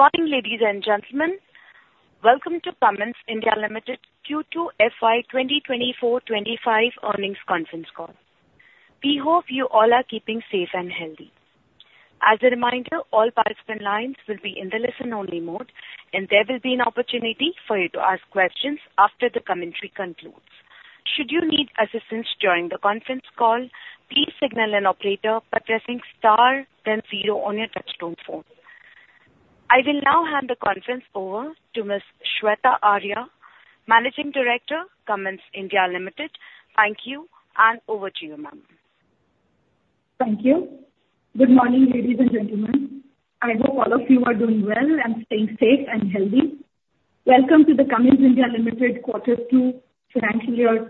Good morning, ladies and gentlemen. Welcome to Cummins India Limited Q2 FY 2024-25 earnings conference call. We hope you all are keeping safe and healthy. As a reminder, all participant lines will be in the listen-only mode, and there will be an opportunity for you to ask questions after the commentary concludes. Should you need assistance during the conference call, please signal an operator by pressing star then zero on your touchtone phone. I will now hand the conference over to Ms. Shveta Arya, Managing Director, Cummins India Limited. Thank you, and over to you, ma'am. Thank you. Good morning, ladies and gentlemen. I hope all of you are doing well and staying safe and healthy. Welcome to the Cummins India Limited Q2 FY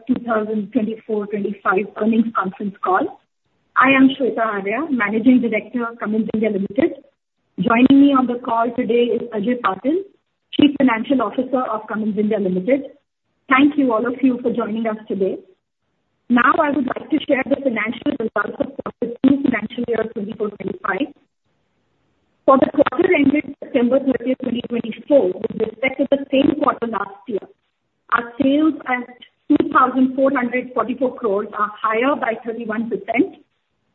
2024-25 earnings conference call. I am Shveta Arya, Managing Director of Cummins India Limited. Joining me on the call today is Ajay Patil, Chief Financial Officer of Cummins India Limited. Thank you, all of you, for joining us today. Now, I would like to share the financial results of Q2 FY 2024-25. For the quarter ended September 30, 2024, with respect to the same quarter last year, our sales at 2,444 crores are higher by 31%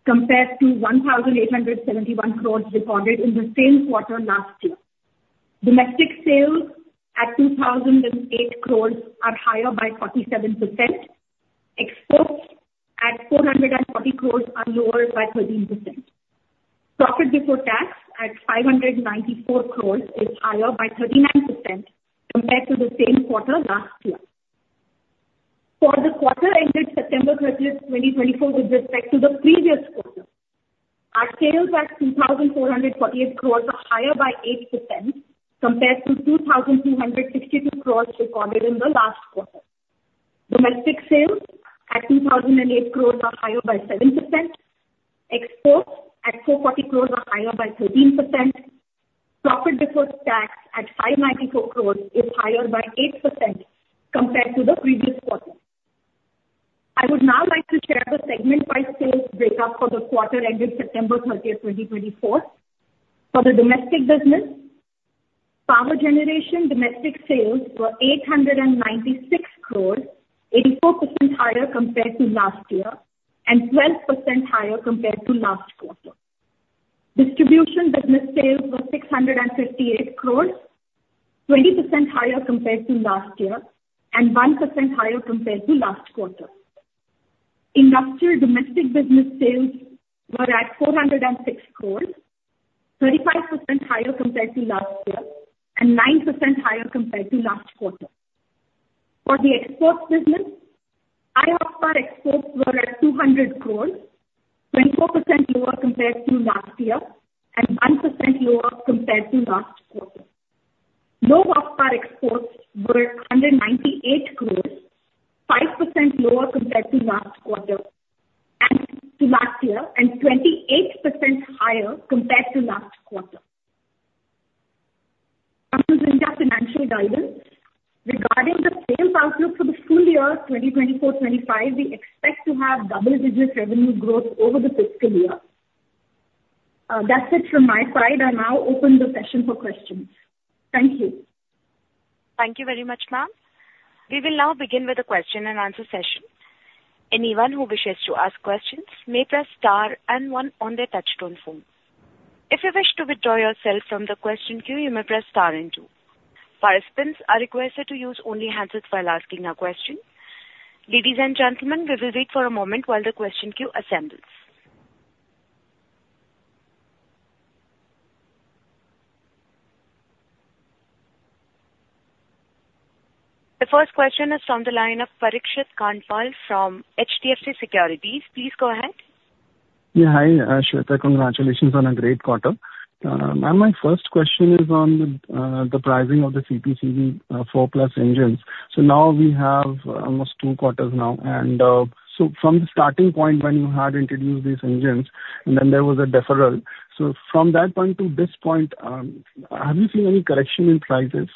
compared to 1,871 crores recorded in the same quarter last year. Domestic sales at 2,008 crores are higher by 47%. Exports at 440 crores are lower by 13%. Profit before tax at 594 crores is higher by 39% compared to the same quarter last year. For the quarter ended September 30, 2024, with respect to the previous quarter, our sales at 2,448 crores are higher by 8% compared to 2,262 crores recorded in the last quarter. Domestic sales at 2,008 crores are higher by 7%. Exports at 440 crores are higher by 13%. Profit before tax at 594 crores is higher by 8% compared to the previous quarter. I would now like to share the segment-wise sales breakup for the quarter ended September 30, 2024. For the domestic business, power generation domestic sales were 896 crores, 84% higher compared to last year and 12% higher compared to last quarter. Distribution business sales were 658 crores, 20% higher compared to last year and 1% higher compared to last quarter. Industrial domestic business sales were at 406 crores, 35% higher compared to last year and 9% higher compared to last quarter. For the exports business, high horsepower exports were at 200 crores, 24% lower compared to last year and 1% lower compared to last quarter. Low horsepower exports were 198 crores, 5% lower compared to last quarter and to last year and 28% higher compared to last quarter. Financial Guidance, regarding the sales outlook for the full year 2024-25, we expect to have double-digit revenue growth over the fiscal year. That's it from my side. I'll now open the session for questions. Thank you. Thank you very much, ma'am. We will now begin with the question-and-answer session. Anyone who wishes to ask questions may press star and one on their touch-tone phone. If you wish to withdraw yourself from the question queue, you may press star and two. Participants are requested to use the handset only while asking a question. Ladies and gentlemen, we will wait for a moment while the question queue assembles. The first question is from the line of Parikshit Kandpal from HDFC Securities. Please go ahead. Yeah, hi, Shveta. Congratulations on a great quarter. Ma'am, my first question is on the pricing of the CPCB 4 Plus engines. So now we have almost two quarters now. And, so from the starting point when you had introduced these engines, and then there was a deferral. So from that point to this point, have you seen any correction in prices?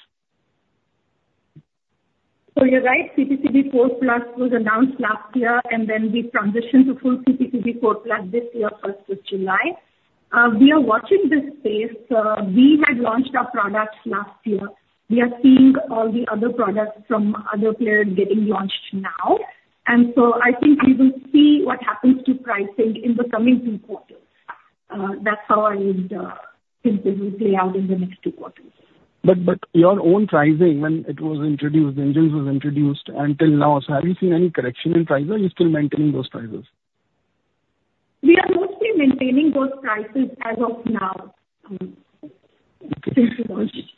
So you're right. CPCB 4 Plus was announced last year, and then we transitioned to full CPCB 4 Plus this year, first of July. We are watching this space. We had launched our products last year. We are seeing all the other products from other players getting launched now. And so I think we will see what happens to pricing in the coming two quarters. That's how I would think it will play out in the next two quarters. But your own pricing when it was introduced, engines was introduced until now, so have you seen any correction in price or are you still maintaining those prices? We are mostly maintaining those prices as of now, since we launched.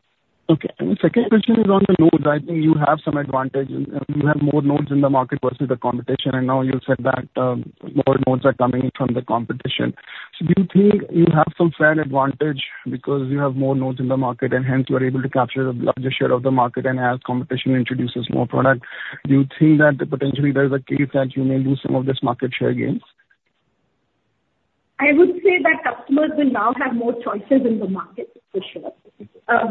Okay, and the second question is on the nodes. I think you have some advantage, and you have more nodes in the market versus the competition. I know you said that more nodes are coming from the competition. So do you think you have some fair advantage because you have more nodes in the market and hence you are able to capture a larger share of the market? And as competition introduces more product, do you think that potentially there's a case that you may lose some of this market share again? I would say that customers will now have more choices in the market, for sure.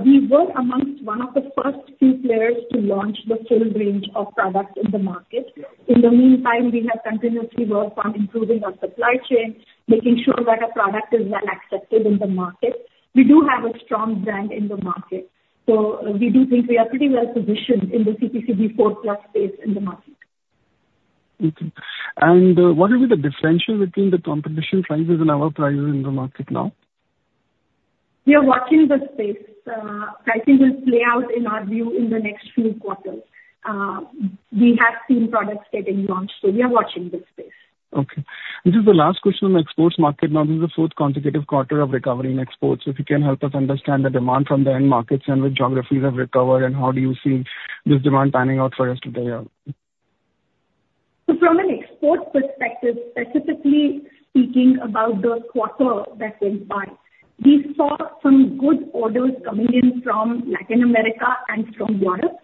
We were amongst one of the first few players to launch the full range of products in the market. In the meantime, we have continuously worked on improving our supply chain, making sure that our product is well accepted in the market. We do have a strong brand in the market. So we do think we are pretty well positioned in the CPCB 4 Plus space in the market. Okay. And, what will be the differential between the competition prices and our prices in the market now? We are watching the space. Pricing will play out, in our view, in the next few quarters. We have seen products getting launched, so we are watching this space. Okay. This is the last question on the exports market. Now, this is the fourth consecutive quarter of recovering exports. If you can help us understand the demand from the end markets and which geographies have recovered, and how do you see this demand panning out for us today? So from an export perspective, specifically speaking about the quarter that went by, we saw some good orders coming in from Latin America and from Europe.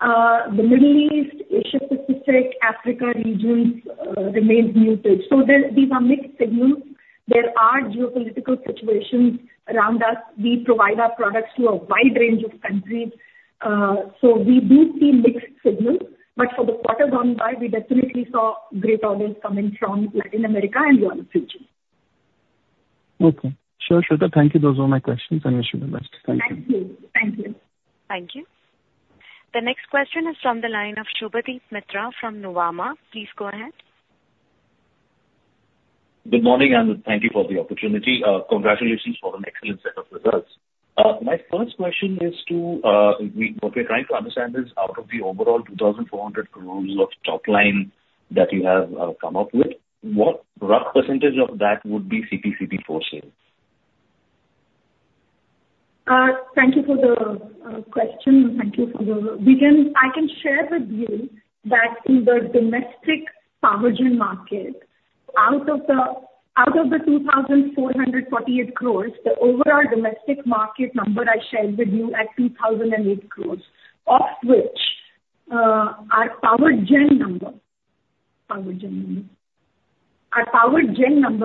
The Middle East, Asia-Pacific, Africa regions remained muted. So these are mixed signals. There are geopolitical situations around us. We provide our products to a wide range of countries. So we do see mixed signals. But for the quarter gone by, we definitely saw great orders coming from Latin America and Europe region. Okay. Sure, Shveta. Thank you. Those were my questions. I wish you the best. Thank you. Thank you. Thank you. Thank you. The next question is from the line of Shubhadeep Mitra from Nuvama. Please go ahead. Good morning, and thank you for the opportunity. Congratulations for an excellent set of results. My first question is, what we're trying to understand is out of the overall 2,400 crores of top line that you have come up with, what rough percentage of that would be CPCB 4 sales? Thank you for the question, and thank you for the begin. I can share with you that in the domestic power gen market, out of the 2,448 crores, the overall domestic market number I shared with you at 2,008 crores, of which our power gen number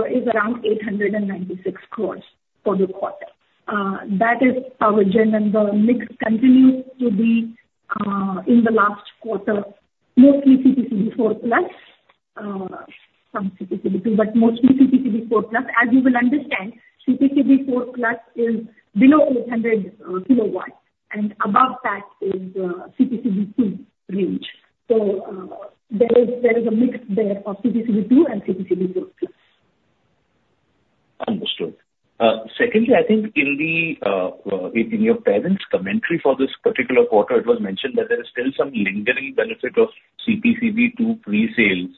is around 896 crores for the quarter. That is power gen and the mix continues to be, in the last quarter, mostly CPCB 4 Plus, some CPCB 2, but mostly CPCB 4 Plus. As you will understand, CPCB 4 Plus is below 800 kilowatts, and above that is CPCB 2 range. So, there is a mix there for CPCB 2 and CPCB 4 Plus. Understood. Secondly, I think in your parent's commentary for this particular quarter, it was mentioned that there is still some lingering benefit of CPCB 2 presales.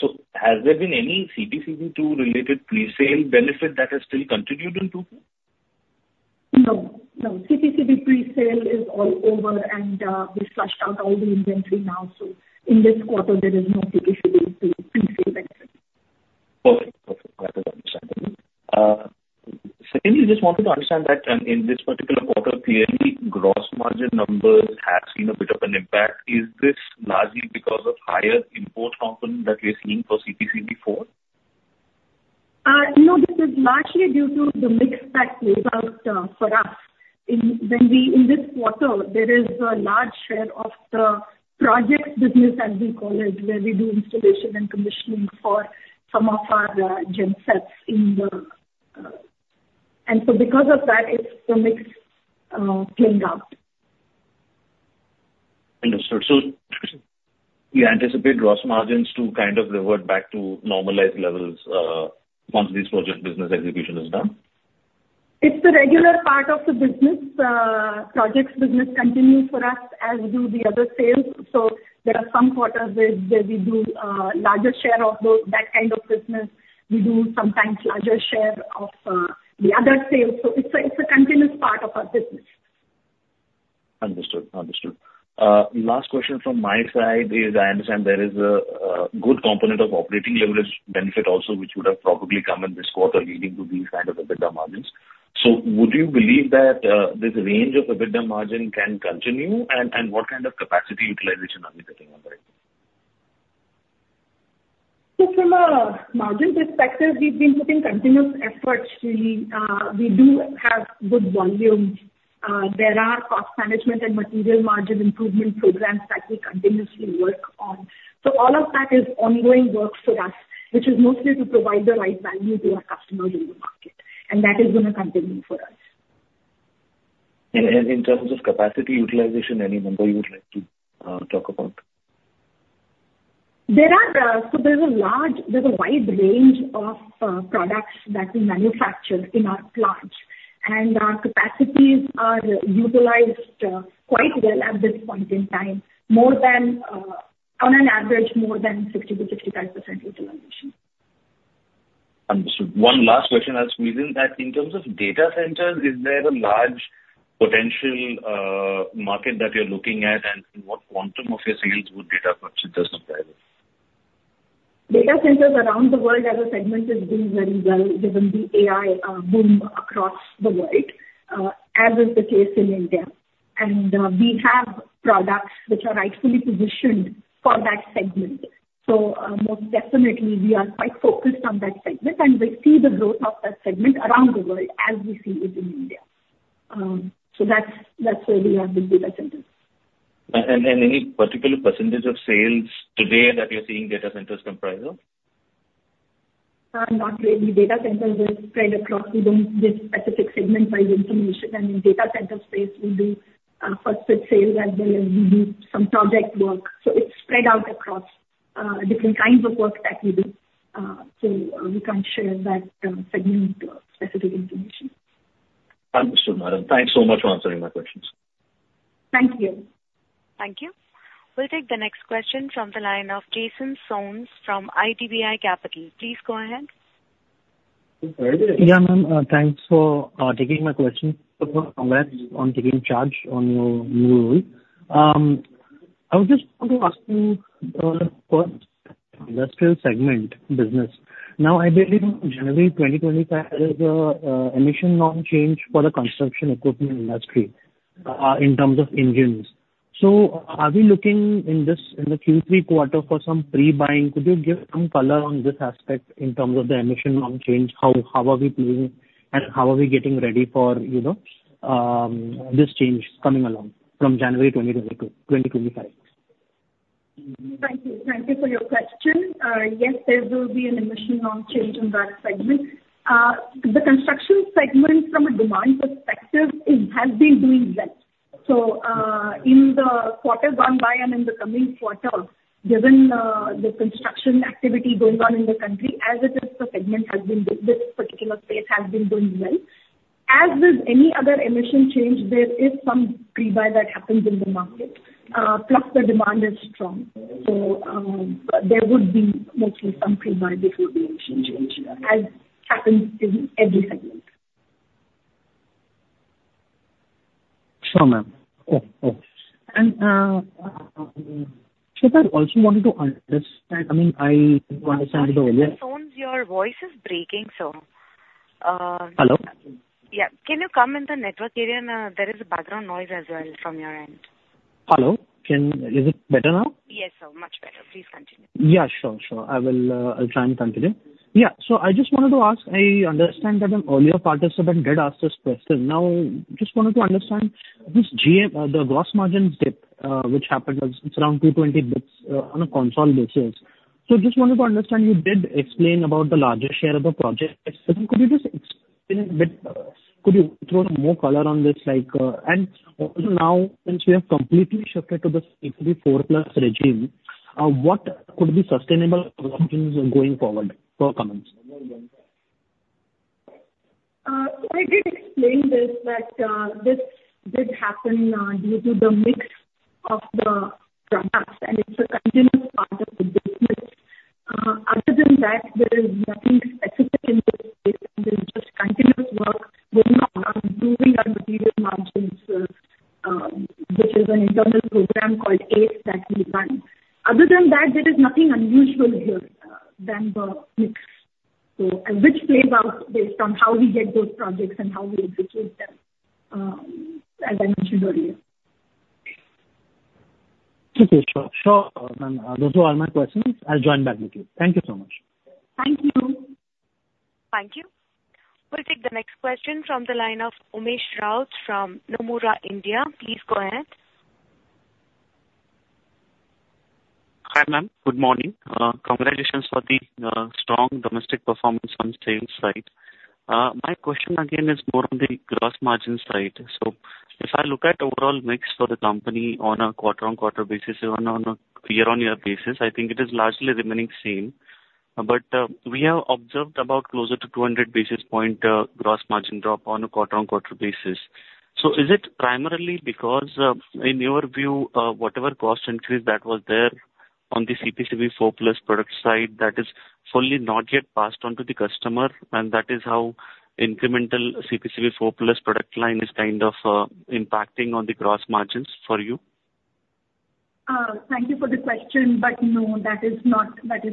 So, has there been any CPCB 2 related presale benefit that has still continued in 2Q? No. No. CPCB presale is all over, and we flushed out all the inventory now. So in this quarter, there is no CPCB 2 presale benefit. Perfect. Perfect. That is understandable. Secondly, I just wanted to understand that, in this particular quarter, clearly gross margin numbers have seen a bit of an impact. Is this largely because of higher imports that we're seeing for CPCB 4? No, this is largely due to the mix that plays out for us. In this quarter, there is a large share of the project business, as we call it, where we do installation and commissioning for some of our gensets in the. And so because of that, it's the mix playing out. Understood. So you anticipate gross margins to kind of revert back to normalized levels, once this project business execution is done? It's the regular part of the business. Projects business continues for us, as do the other sales. So there are some quarters where we do a larger share of those that kind of business. We do sometimes larger share of the other sales. So it's a continuous part of our business. Understood. Understood. Last question from my side is I understand there is a good component of operating leverage benefit also, which would have probably come in this quarter leading to these kind of EBITDA margins. So would you believe that this range of EBITDA margin can continue? And, and what kind of capacity utilization are we sitting on right now? So from a margin perspective, we've been putting continuous effort, really. We do have good volumes. There are cost management and material margin improvement programs that we continuously work on. So all of that is ongoing work for us, which is mostly to provide the right value to our customers in the market. And that is going to continue for us. In terms of capacity utilization, any number you would like to talk about? So there's a wide range of products that we manufacture in our plant. Our capacities are utilized quite well at this point in time, on an average more than 60%-65% utilization. Understood. One last question, and within that, in terms of data centers, is there a large potential market that you're looking at, and what quantum of your sales would data centers comprise? Data centers around the world as a segment is doing very well given the AI boom across the world, as is the case in India. And we have products which are rightfully positioned for that segment. So most definitely, we are quite focused on that segment, and we see the growth of that segment around the world as we see it in India. So that's where we have the data centers. Any particular percentage of sales today that you're seeing data centers comprise of? Not really. Data centers are spread across. We don't have this specific segment-wise information. I mean, data center space, we do first-fit sales as well as we do some project work. So it's spread out across different kinds of work that we do. So we can't share that segment-specific information. Understood, madam. Thanks so much for answering my questions. Thank you. Thank you. We'll take the next question from the line of Jason Soans from IDBI Capital. Please go ahead. Yeah, ma'am. Thanks for taking my question. So I'm glad you're on taking charge on your new role. I was just going to ask you, first. Industrial segment business. Now, I believe January 2025 is a emission norm change for the construction equipment industry, in terms of engines. So are we looking in this in the Q3 quarter for some pre-buy? Could you give some color on this aspect in terms of the emission norm change? How are we playing, and how are we getting ready for, you know, this change coming along from January 2025? Thank you. Thank you for your question. Yes, there will be an emission norm change in that segment. The construction segment from a demand perspective has been doing well. So, in the quarter gone by and in the coming quarter, given the construction activity going on in the country, as it is, the segment has been doing well. This particular space has been doing well. As with any other emission change, there is some pre-buy that happens in the market, plus the demand is strong. So, there would be mostly some pre-buy before the emission change, as happens in every segment. Sure, ma'am. Oh, oh. And, Shveta, I also wanted to understand. I mean, I understand you earlier. Mr. Soans, your voice is breaking, so. Hello? Yeah. Can you come in the network area? And, there is a background noise as well from your end. Hello? Can is it better now? Yes, sir. Much better. Please continue. Yeah, sure, sure. I will, I'll try and continue. Yeah. So I just wanted to ask. I understand that an earlier participant did ask this question. Now, just wanted to understand this GM, the gross margin dip, which happened. It was around 220 basis points on a consolidated basis. So just wanted to understand. You did explain about the larger share of the projects. Could you just explain a bit? Could you throw more color on this, like, and also now, since we have completely shifted to the CPCB 4 Plus regime, what could be sustainable options going forward for Cummins? I did explain this, that this did happen due to the mix of the products, and it's a continuous part of the business. Other than that, there is nothing specific in this space. There's just continuous work going on, improving our material margins, which is an internal program called ACE that we run. Other than that, there is nothing unusual here than the mix. So and which plays out based on how we get those projects and how we execute them, as I mentioned earlier. Okay. Sure. Sure. Ma'am, those were all my questions. I'll join back with you. Thank you so much. Thank you. Thank you. We'll take the next question from the line of Umesh Raut from Nomura, India. Please go ahead. Hi, ma'am. Good morning. Congratulations for the strong domestic performance on sales side. My question again is more on the gross margin side, so if I look at overall mix for the company on a quarter-on-quarter basis or on a year-on-year basis, I think it is largely remaining same, but we have observed about closer to 200 basis point gross margin drop on a quarter-on-quarter basis, so is it primarily because, in your view, whatever cost increase that was there on the CPCB 4 Plus product side that is fully not yet passed on to the customer, and that is how incremental CPCB 4 Plus product line is kind of impacting on the gross margins for you? Thank you for the question, but no, that is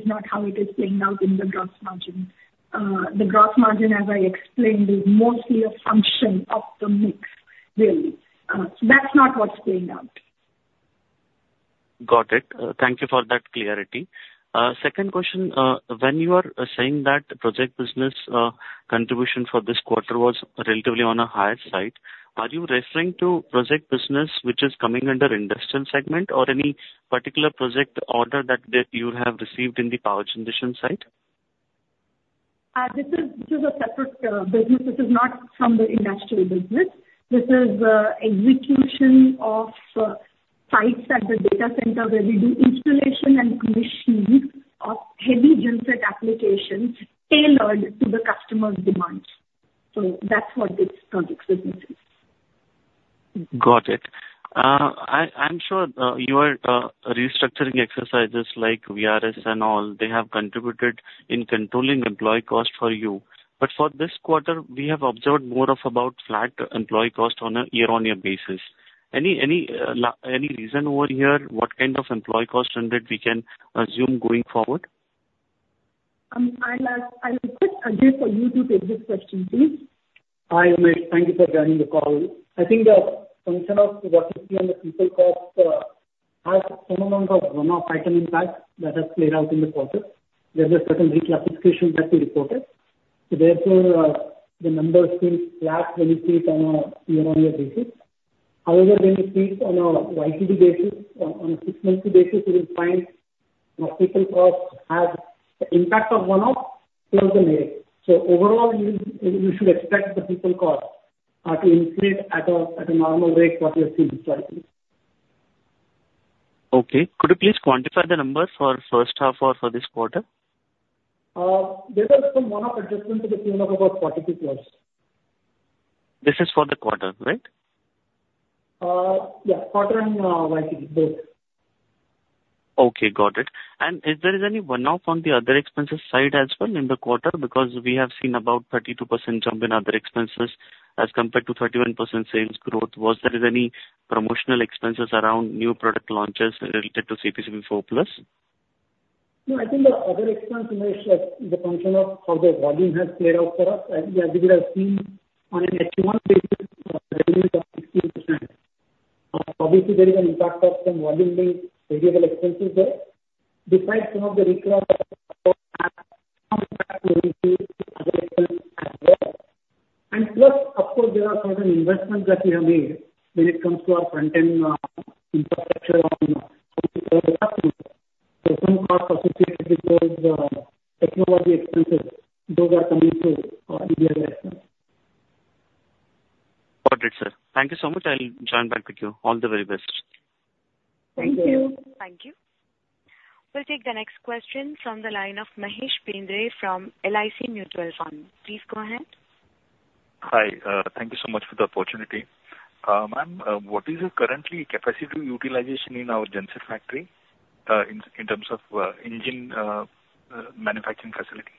not how it is playing out in the gross margin. The gross margin, as I explained, is mostly a function of the mix, really, so that's not what's playing out. Got it. Thank you for that clarity. Second question, when you are saying that project business, contribution for this quarter was relatively on a higher side, are you referring to project business which is coming under industrial segment or any particular project order that you have received in the power generation side? This is a separate business. This is not from the industrial business. This is the execution of sites at the data center where we do installation and commissioning of heavy genset applications tailored to the customer's demands. So that's what this project business is. Got it. I'm sure your restructuring exercises like VRS and all have contributed in controlling employee cost for you. But for this quarter, we have observed more of about flat employee cost on a year-on-year basis. Any reason over here what kind of employee cost trend that we can assume going forward? I'll put Ajay for you to take this question, please. Hi, Umesh. Thank you for joining the call. I think the function of what you see on the people cost has some amount of runoff item impact that has played out in the quarter. There's a certain reclassification that we reported. So therefore, the numbers seem flat when you see it on a year-on-year basis. However, when you see it on a YTD basis, on a six-monthly basis, you will find that people cost has the impact of runoff plus the merit. So overall, you should expect the people cost to inflate at a normal rate what you're seeing historically. Okay. Could you please quantify the numbers for first half or for this quarter? There was some one-off adjustment to the cumulative of about 42 plus. This is for the quarter, right? Yeah. Quarter and YTD, both. Okay. Got it. And is there any one-off on the other expenses side as well in the quarter? Because we have seen about 32% jump in other expenses as compared to 31% sales growth. Was there any promotional expenses around new product launches related to CPCB 4 Plus? No, I think the other expense, Umesh, was the function of how the volume has played out for us. We have seen on an accumulative basis, revenues of 16%. Obviously, there is an impact of some volume-based variable expenses there, besides some of the recurring other expenses as well. And plus, of course, there are certain investments that we have made when it comes to our front-end, infrastructure on computers. So some cost associated with those, technology expenses, those are coming through, in the other aspects. Got it, sir. Thank you so much. I'll join back with you. All the very best. Thank you. Thank you. We'll take the next question from the line of Mahesh Bendre from LIC Mutual Fund. Please go ahead. Hi. Thank you so much for the opportunity. Ma'am, what is your current capacity utilization in our genset factory, in terms of engine manufacturing facility?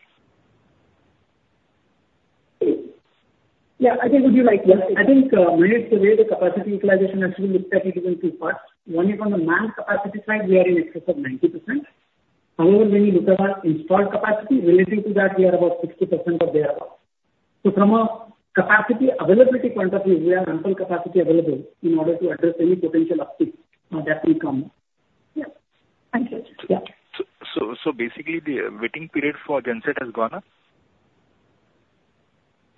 Yeah. I think would you like to ask? I think when it's related to capacity utilization, as you looked at it, it isn't too much. Only from the manpower capacity side, we are in excess of 90%. However, when you look at our installed capacity, relating to that, we are about 60% or thereabouts. So from a capacity availability point of view, we have ample capacity available in order to address any potential uptick that may come. Yeah. Thank you. Yeah. Basically, the waiting period for genset has gone up?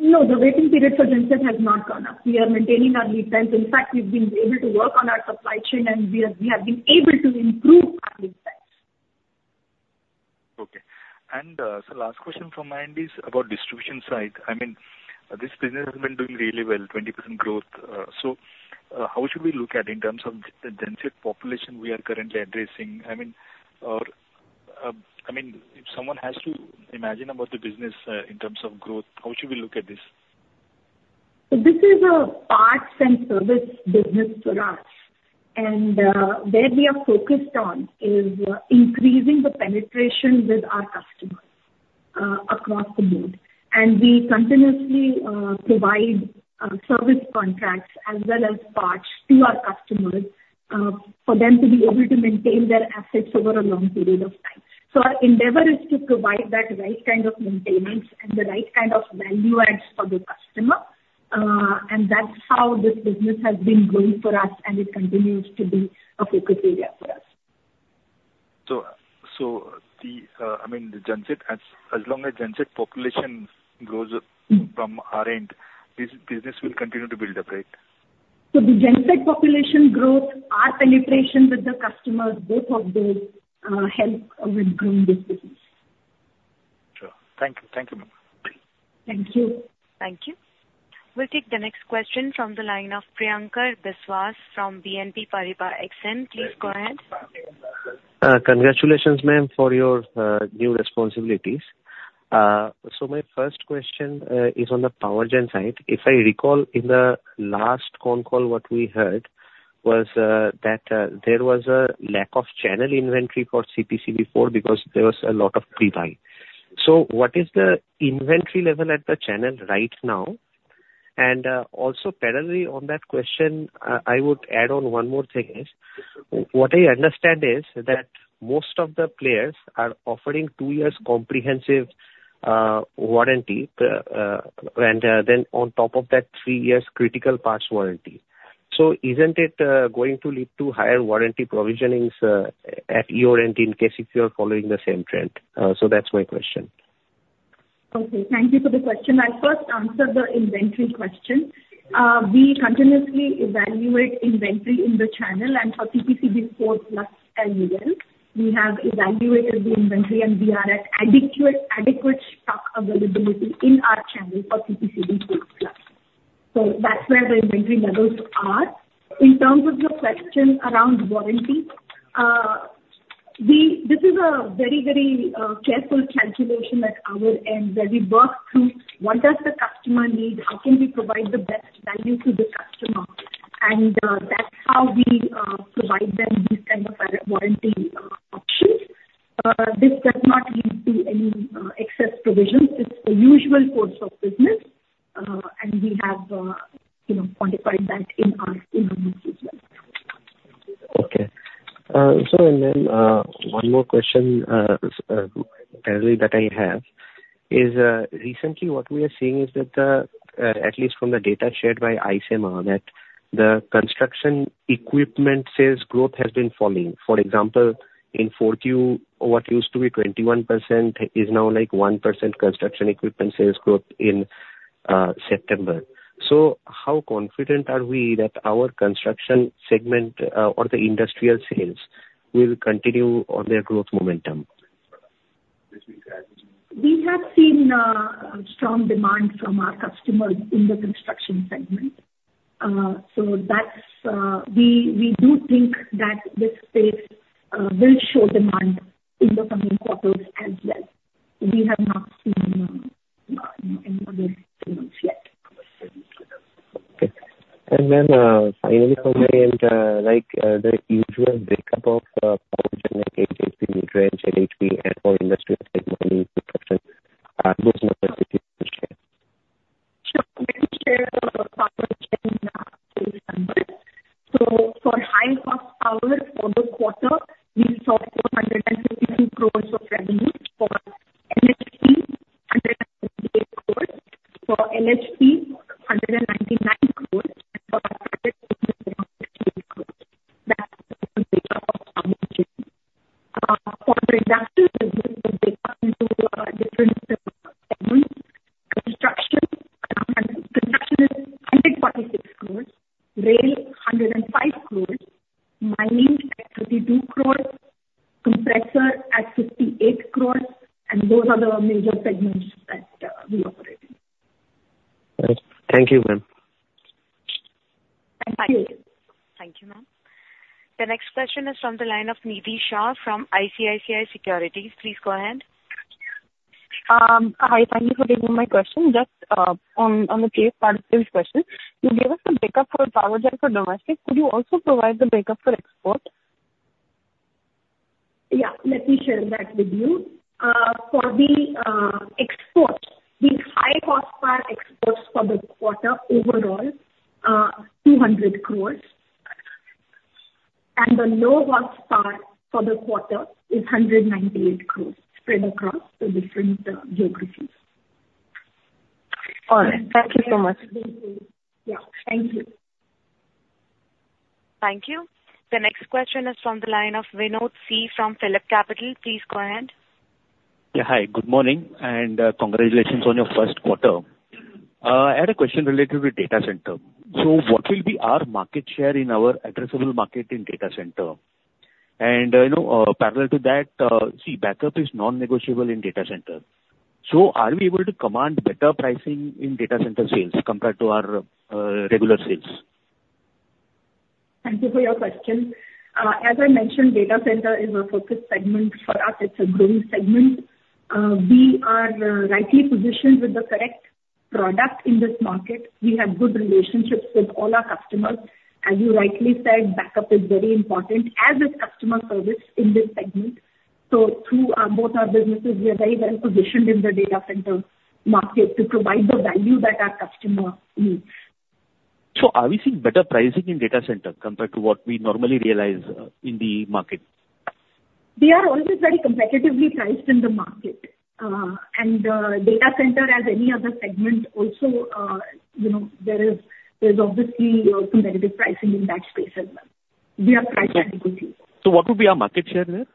No, the waiting period for genset has not gone up. We are maintaining our lead times. In fact, we've been able to work on our supply chain, and we have been able to improve our lead times. Okay. And so, last question from my end is about distribution side. I mean, this business has been doing really well, 20% growth. So, how should we look at it in terms of the genset population we are currently addressing? I mean, or, I mean, if someone has to imagine about the business, in terms of growth, how should we look at this? So this is a parts and service business for us. And, where we are focused on is, increasing the penetration with our customers, across the board. And we continuously, provide, service contracts as well as parts to our customers, for them to be able to maintain their assets over a long period of time. So our endeavor is to provide that right kind of maintenance and the right kind of value adds for the customer. And that's how this business has been growing for us, and it continues to be a focus area for us. So, I mean, the genset, as long as genset population grows up from our end, this business will continue to build up, right? The genset population growth, our penetration with the customers, both of those, help with growing this business. Sure. Thank you. Thank you, ma'am. Thank you. Thank you. We'll take the next question from the line of Priyankar Biswas from BNP Paribas. Please go ahead. Congratulations, ma'am, for your new responsibilities. So my first question is on the power gen side. If I recall, in the last phone call, what we heard was that there was a lack of channel inventory for CPCB 4+ because there was a lot of pre-buy. So what is the inventory level at the channel right now? And also parallelly on that question, I would add on one more thing is what I understand is that most of the players are offering two years comprehensive warranty, and then on top of that, three years critical parts warranty. So isn't it going to lead to higher warranty provisionings at your end in case if you are following the same trend? So that's my question. Okay. Thank you for the question. I'll first answer the inventory question. We continuously evaluate inventory in the channel, and for CPCB 4 Plus as well, we have evaluated the inventory, and we are at adequate, adequate stock availability in our channel for CPCB 4 Plus. So that's where the inventory levels are. In terms of your question around warranty, this is a very, very, careful calculation at our end where we work through what does the customer need, how can we provide the best value to the customer. And that's how we provide them these kind of warranty options. This does not lead to any excess provisions. It's the usual course of business, and we have, you know, quantified that in our notes as well. Okay. So, ma'am, one more question, parallelly that I have is, recently what we are seeing is that the, at least from the data shared by ICEMA, that the construction equipment sales growth has been falling. For example, in 4Q, what used to be 21% is now like 1% construction equipment sales growth in September. How confident are we that our construction segment, or the industrial sales will continue on their growth momentum? We have seen strong demand from our customers in the construction segment. So that's we do think that this space will show demand in the coming quarters as well. We have not seen any other signals yet. Okay. And then, finally from my end, like, the usual breakdown of power gen like HHP, MHP, LHP, and/or industrial segment in construction, those numbers that you can share? Sure. Let me share the power gen solution first. So for high horsepower for the quarter, we saw 452 crores of revenue for MHP, INR 178 crores. For LHP, INR 199 crores, and for exports, it was around 68 crores. That's the breakup of power gen. For the industrial business, the breakup into different segments: construction is 146 crores, rail 105 crores, mining at 32 crores, compressor at 58 crores. And those are the major segments that we operate in. Thank you, ma'am. Thank you. Thank you, ma'am. The next question is from the line of Nidhi Shah from ICICI Securities. Please go ahead. Hi. Thank you for taking my question. Just, on the previous part of this question, you gave us the breakup for power gen for domestic. Could you also provide the breakup for export? Yeah. Let me share that with you. For the export, the high horsepower exports for the quarter overall, 200 crores, and the low horsepower for the quarter is 198 crores spread across the different geographies. All right. Thank you so much. Yeah. Thank you. Thank you. The next question is from the line of Vinod C. from PhillipCapital. Please go ahead. Yeah. Hi. Good morning, and congratulations on your first quarter. I had a question related to data center. So what will be our market share in our addressable market in data center? You know, parallel to that, see, backup is non-negotiable in data center. So are we able to command better pricing in data center sales compared to our regular sales? Thank you for your question. As I mentioned, data center is a focus segment for us. It's a growing segment. We are rightly positioned with the correct product in this market. We have good relationships with all our customers. As you rightly said, backup is very important, as is customer service in this segment. So through both our businesses, we are very well positioned in the data center market to provide the value that our customer needs. So are we seeing better pricing in data center compared to what we normally realize, in the market? We are always very competitively priced in the market, and data center, as any other segment, also, you know, there's obviously competitive pricing in that space as well. We are priced equally. So what would be our market share there?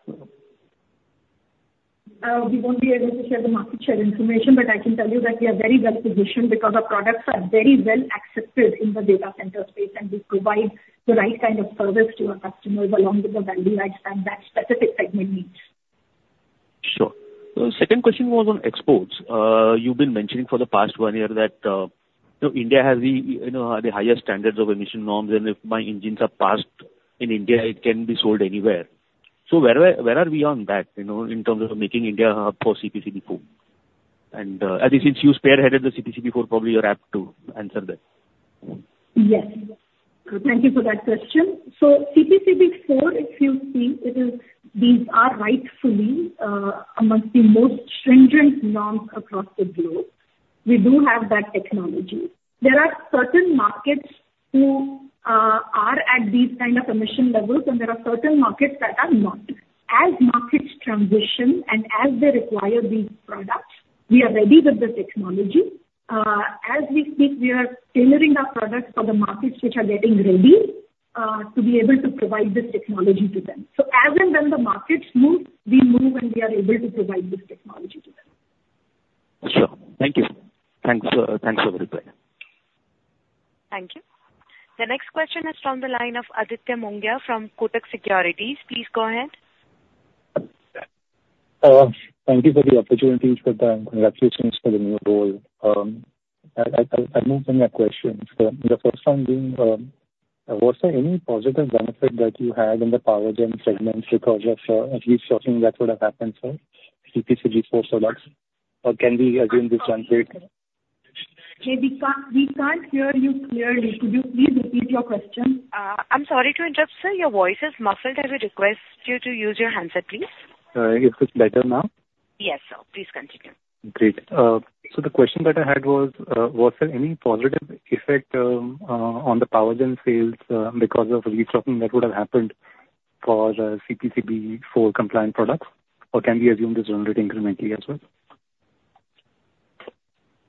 We won't be able to share the market share information, but I can tell you that we are very well positioned because our products are very well accepted in the data center space, and we provide the right kind of service to our customers along with the value adds that that specific segment needs. Sure. So the second question was on exports. You've been mentioning for the past one year that, you know, India has the, you know, the highest standards of emission norms, and if my engines are passed in India, it can be sold anywhere. So where are we on that, you know, in terms of making India hub for CPCB 4? And, at least since you spearheaded the CPCB 4, probably you're apt to answer that. Yes. Thank you for that question. So CPCB 4, if you see, it is. These are rightfully among the most stringent norms across the globe. We do have that technology. There are certain markets who are at these kind of emission levels, and there are certain markets that are not. As markets transition and as they require these products, we are ready with the technology. As we speak, we are tailoring our products for the markets which are getting ready to be able to provide this technology to them. So as and when the markets move, we move, and we are able to provide this technology to them. Sure. Thank you. Thanks, thanks for the reply. Thank you. The next question is from the line of Aditya Mongia from Kotak Securities. Please go ahead. Thank you for the opportunity for the congratulations for the new role. I'm answering a question for the first time being. Was there any positive benefit that you had in the power gen segment because of, at least something that would have happened for CPCB 4 products? Or can we again just jump right? Hey, we can't hear you clearly. Could you please repeat your question? I'm sorry to interrupt, sir. Your voice is muffled. I will request you to use your handset, please. Is this better now? Yes, sir. Please continue. Great. So the question that I had was, was there any positive effect on the power gen sales because of the restocking that would have happened for CPCB 4 compliant products? Or can we assume this rendered incrementally as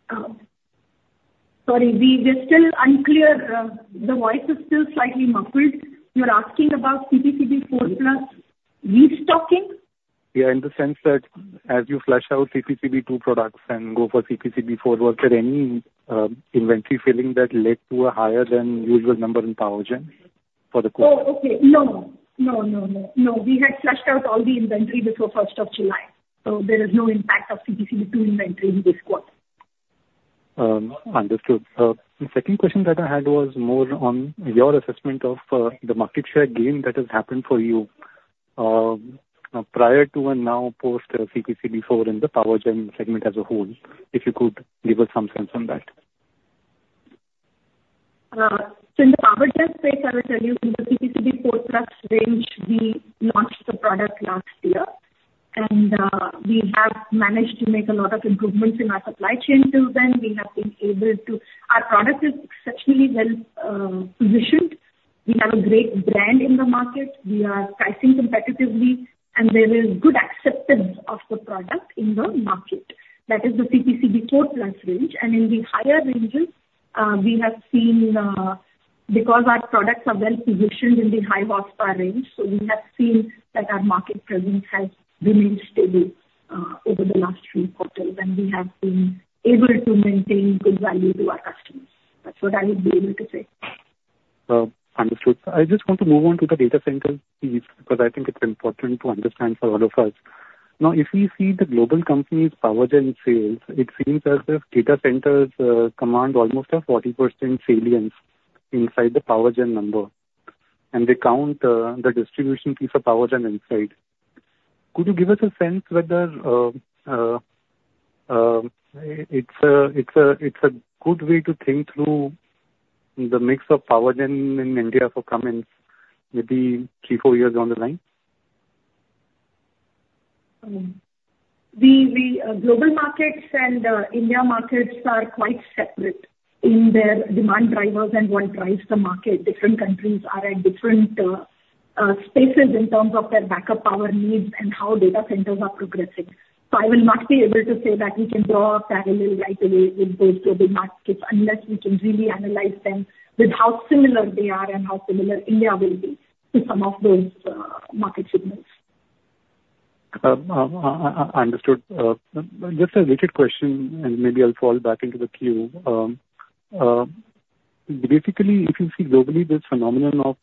well? Sorry. We're still unclear. The voice is still slightly muffled. You're asking about CPCB 4 Plus restocking? Yeah, in the sense that as you flush out CPCB 2 products and go for CPCB 4, was there any inventory filling that led to a higher than usual number in power gen for the quarter? Oh, okay. No. No, no, no. No. We had flushed out all the inventory before 1st of July. So there is no impact of CPCB 2 inventory in this quarter. Understood. The second question that I had was more on your assessment of the market share gain that has happened for you, prior to and now post CPCB 4, in the power gen segment as a whole, if you could give us some sense on that. So in the power gen space, I will tell you in the CPCB 4 Plus range, we launched the product last year. And we have managed to make a lot of improvements in our supply chain till then. We have been able to our product is exceptionally well positioned. We have a great brand in the market. We are pricing competitively, and there is good acceptance of the product in the market. That is the CPCB 4 Plus range. And in the higher ranges, we have seen, because our products are well positioned in the high horsepower range, so we have seen that our market presence has remained stable over the last three quarters, and we have been able to maintain good value to our customers. That's what I would be able to say. Understood. I just want to move on to the data center piece because I think it's important to understand for all of us. Now, if we see the global company's power gen sales, it seems as if data centers command almost a 40% salience inside the power gen number. And they count the distribution piece of power gen inside. Could you give us a sense whether it's a good way to think through the mix of power gen in India for coming maybe three, four years down the line? Global markets and India markets are quite separate in their demand drivers and what drives the market. Different countries are at different spaces in terms of their backup power needs and how data centers are progressing. So I will not be able to say that we can draw a parallel right away with those global markets unless we can really analyze them with how similar they are and how similar India will be to some of those market signals. Understood. Just a quick question, and maybe I'll fall back into the queue. Basically, if you see globally this phenomenon of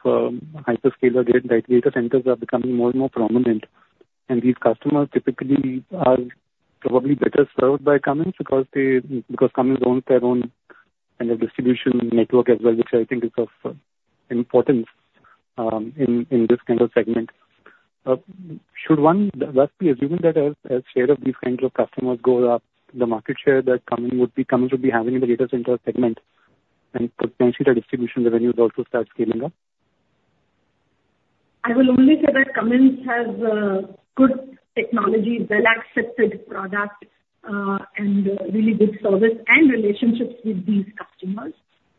hyperscale data centers are becoming more and more prominent, and these customers typically are probably better served by Cummins because Cummins owns their own kind of distribution network as well, which I think is of importance in this kind of segment. Should one thus be assuming that as share of these kinds of customers goes up, the market share that Cummins would be having in the data center segment and potentially the distribution revenues also start scaling up? I will only say that Cummins has good technology, well-accepted product, and really good service and relationships with these customers.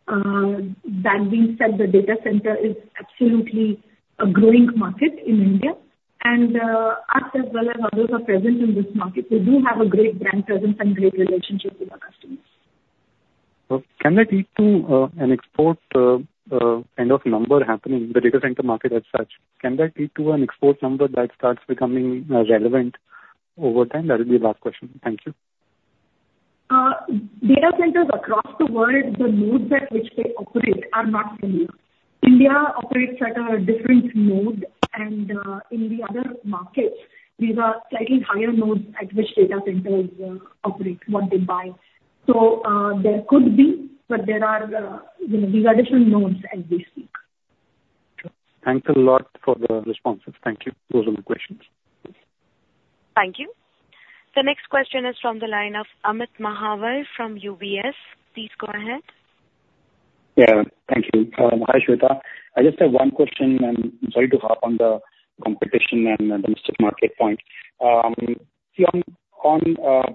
That being said, the data center is absolutely a growing market in India. And us as well as others are present in this market. We do have a great brand presence and great relationship with our customers. Can that lead to an export kind of number happening in the data center market as such? Can that lead to an export number that starts becoming relevant over time? That would be the last question. Thank you. Data centers across the world, the nodes at which they operate are not similar. India operates at a different node, and in the other markets, these are slightly higher nodes at which data centers operate, what they buy. So there could be, but there are, you know, these additional nodes as we speak. Thanks a lot for the responses. Thank you. Those are my questions. Thank you. The next question is from the line of Amit Mahawar from UBS. Please go ahead. Yeah. Thank you. Hi Shveta. I just have one question, and I'm sorry to harp on the competition and the domestic market point. See, on,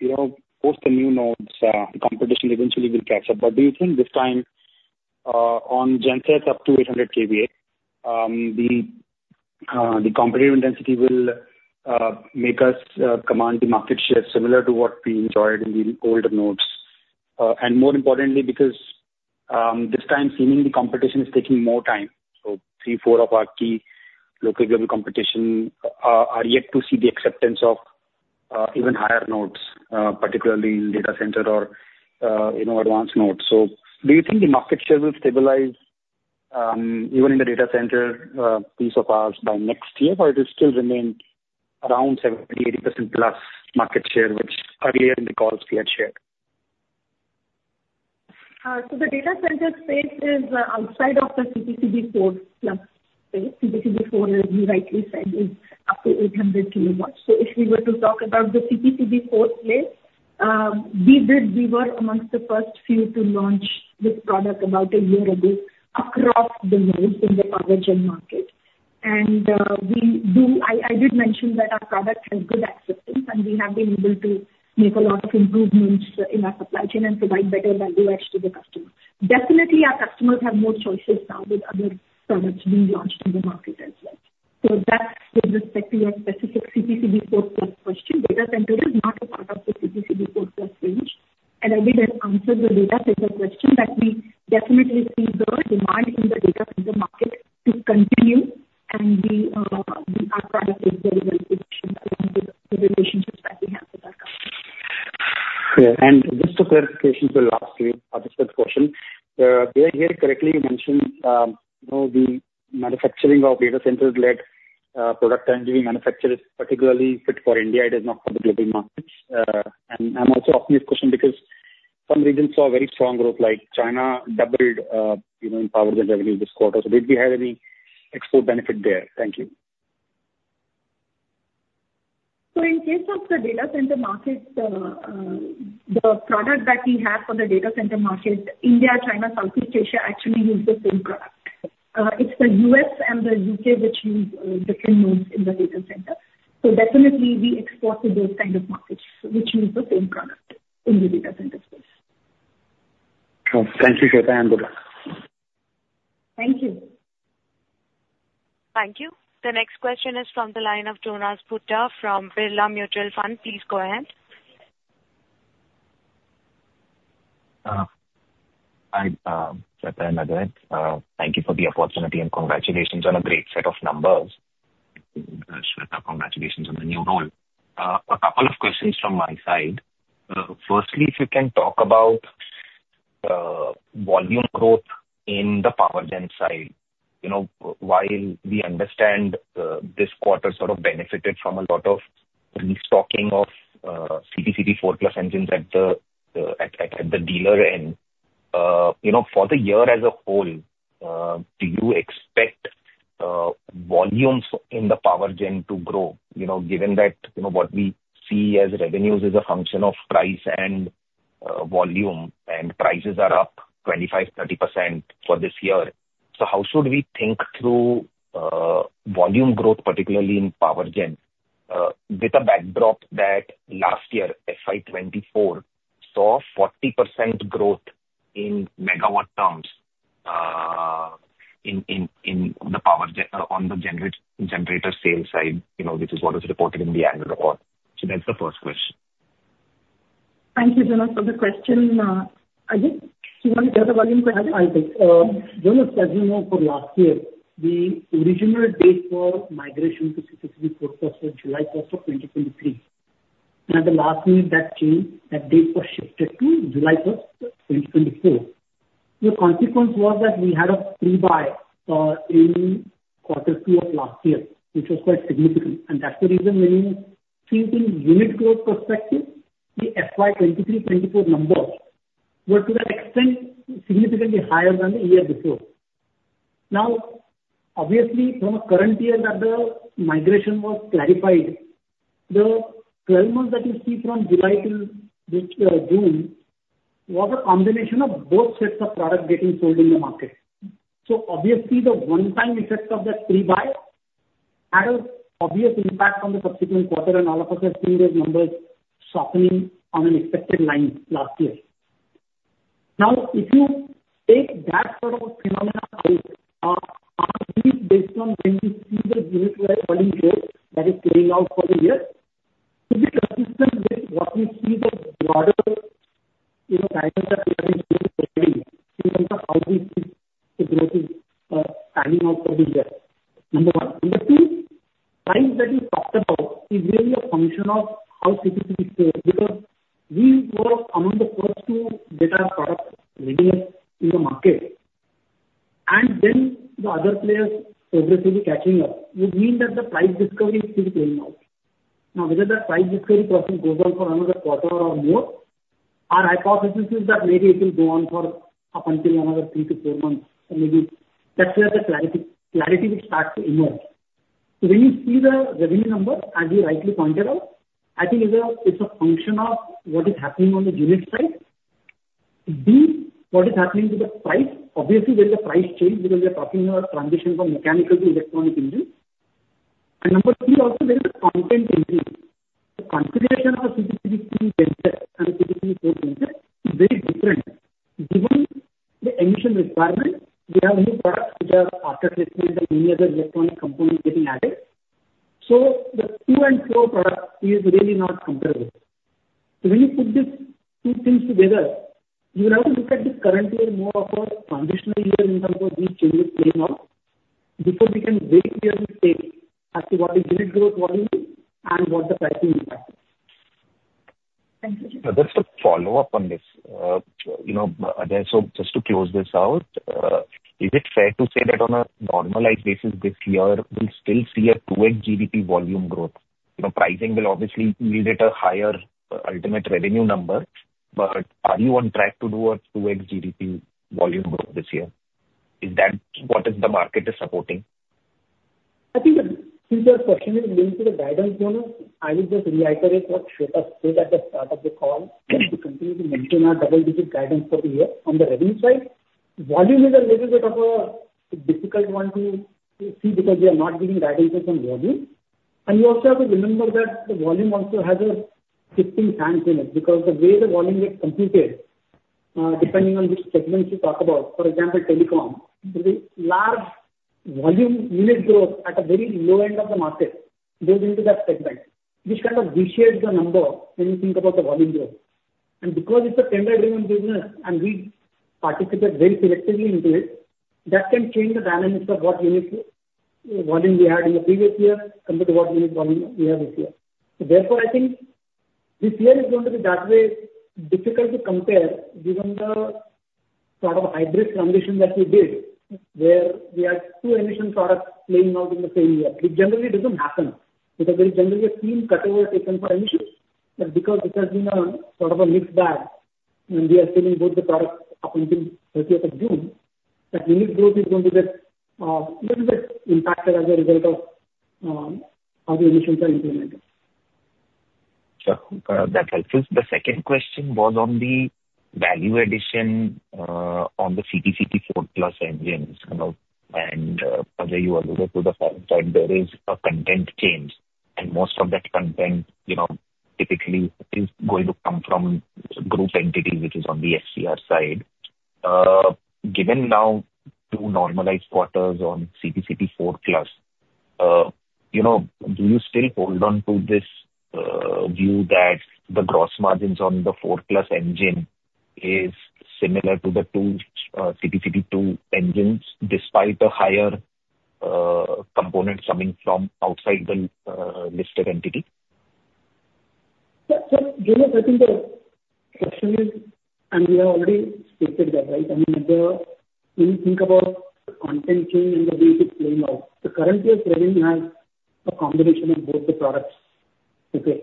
you know, post the new norms, the competition eventually will catch up. But do you think this time, on GenSet up to 800 kVA, the competitive intensity will make us command the market share similar to what we enjoyed in the older norms? And more importantly, because this time, seemingly competition is taking more time. So three, four of our key local global competition are yet to see the acceptance of even higher norms, particularly in data center or, you know, advanced norms. So do you think the market share will stabilize, even in the data center piece of ours by next year, or it will still remain around 70%-80% plus market share, which earlier in the calls we had shared? So the data center space is outside of the CPCB 4 Plus space. CPCB 4, as you rightly said, is up to 800 kW. If we were to talk about the CPCB 4 space, we were amongst the first few to launch this product about a year ago across the nodes in the power gen market. I did mention that our product has good acceptance, and we have been able to make a lot of improvements in our supply chain and provide better value adds to the customer. Definitely, our customers have more choices now with other products being launched in the market as well. That's with respect to your specific CPCB 4 Plus question. Data center is not a part of the CPCB 4 Plus range. And I didn't answer the data center question, but we definitely see the demand in the data center market to continue, and we, our product is very well positioned along with the relationships that we have with our customers. Okay. And just for clarification for the last few, this third question, did I hear correctly you mentioned, you know, the manufacturing of data center-led products and doing manufacturing particularly fit for India? It is not for the global markets, and I'm also asking this question because some regions saw very strong growth, like China doubled, you know, in power gen revenue this quarter. So did we have any export benefit there? Thank you. So in case of the data center markets, the product that we have for the data center market, India, China, Southeast Asia actually use the same product. It's the U.S. and the U.K. which use different nodes in the data center. So definitely, we export to those kind of markets which use the same product in the data center space. Cool. Thank you, Shveta and Bhutta. Thank you. Thank you. The next question is from the line of Jonas Bhutta from Aditya Birla Sun Life AMC. Please go ahead. Hi, Shveta and Ajay. Thank you for the opportunity and congratulations on a great set of numbers. Thank you, Shveta. Congratulations on the new role. A couple of questions from my side. Firstly, if you can talk about volume growth in the power gen side. You know, while we understand this quarter sort of benefited from a lot of restocking of CPCB 4 Plus engines at the dealer end, you know, for the year as a whole, do you expect volumes in the power gen to grow? You know, given that, you know, what we see as revenues is a function of price and volume, and prices are up 25%-30% for this year. So how should we think through volume growth, particularly in power gen? With a backdrop that last year, FY24 saw 40% growth in megawatt terms in the power gen on the generator sale side, you know, which is what was reported in the annual report. So that's the first question. Thank you, Jonas, for the question. Ajay, do you want to get a volume question? I think. Jonas said, you know, for last year, the original date for migration to CPCB 4 Plus was July 1st of 2023. At the last meeting, that changed. That date was shifted to July 1st, 2024. The consequence was that we had a pre-buy, in quarter two of last year, which was quite significant. And that's the reason when, seeing from unit growth perspective, the FY23, FY24 numbers were to that extent significantly higher than the year before. Now, obviously, for the current year that the migration was clarified, the 12 months that you see from July till June was a combination of both sets of product getting sold in the market. So obviously, the one-time effect of that pre-buy had an obvious impact on the subsequent quarter, and all of us are seeing those numbers softening on an expected line last year. Now, if you take that sort of a phenomenon out, are we based on when we see the unit volume growth that is playing out for the year? To be consistent with what we see the broader, you know, guidance that we have been seeing trending in terms of how we see the growth is, timing out for the year. Number one. Number two, the price that you talked about is really a function of how CPCB sells because we were among the first two data product leaders in the market. And then the other players progressively catching up would mean that the price discovery is still playing out. Now, whether that price discovery process goes on for another quarter or more, our hypothesis is that maybe it will go on for up until another three to four months. So maybe that's where the clarity will start to emerge. So when you see the revenue number, as you rightly pointed out, I think it's a function of what is happening on the unit side. B, what is happening to the price? Obviously, when the price changed, because we are talking about transition from mechanical to electronic engines. And number three, also, there is a content increase. The configuration of a CPCB 2 GenSet and a CPCB 4 GenSet is very different. Given the emission requirement, we have new products which are aftertreatment and many other electronic components getting added. So the two and four products is really not comparable. So when you put these two things together, you will have to look at this current year more of a transitional year in terms of these changes playing out before we can very clearly say as to what is unit growth, what is, and what the pricing impact is. Thank you, Shveta. Just a follow-up on this. You know, Ajay, so just to close this out, is it fair to say that on a normalized basis, this year we'll still see a 2x GDP volume growth? You know, pricing will obviously yield it a higher ultimate revenue number, but are you on track to do a 2x GDP volume growth this year? Is that what the market is supporting? I think the future question is linked to the guidance, Jonas. I will just reiterate what Shveta said at the start of the call. We continue to maintain our double-digit guidance for the year. On the revenue side, volume is a little bit of a difficult one to see because we are not giving guidance on volume, and you also have to remember that the volume also has a shifting chance in it because the way the volume gets computed, depending on which segments you talk about, for example, telecom, the large volume unit growth at a very low end of the market goes into that segment, which kind of reshapes the number when you think about the volume growth. And because it's a tender-driven business and we participate very selectively into it, that can change the dynamics of what unit volume we had in the previous year compared to what unit volume we have this year. So therefore, I think this year is going to be that way difficult to compare given the sort of hybrid transition that we did, where we had two emission products playing out in the same year. It generally doesn't happen because there is generally a clean cutover taken for emissions. But because this has been a sort of a mixed bag, and we are seeing both the products up until 30th of June, that unit growth is going to get, a little bit impacted as a result of, how the emissions are implemented. So that helps us. The second question was on the value addition, on the CPCB 4 Plus engines. You know, and as you alluded to the first time, there is a content change, and most of that content, you know, typically is going to come from group entities, which is on the FCR side. Given now two normalized quarters on CPCB 4 Plus, you know, do you still hold on to this view that the gross margins on the 4 Plus engine is similar to the two, CPCB 2 engines despite the higher components coming from outside the listed entity? Yeah. So Jonas, I think the question is, and we have already stated that, right? I mean, when you think about the norm change and the way it is playing out, the current year's revenue has a combination of both the products today.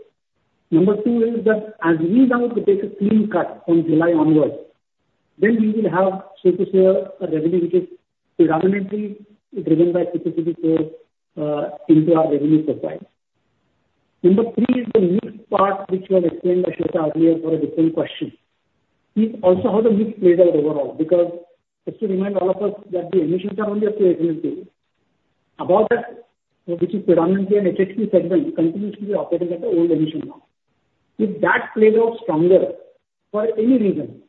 Number two is that as we now take a clean cut from July onwards, then we will have, so to speak, a revenue which is predominantly driven by CPCB 4 into our revenue profile. Number three is the mix part, which was explained by Shweta earlier for a different question. It's also how the mix plays out overall because just to remind all of us that the emissions are only up to 800 kW. Above that, which is predominantly an HHP segment, continues to be operating at the old emission norm. If that plays out stronger for any reason,